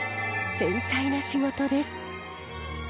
繊細な仕事です。